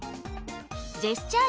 ジェスチャー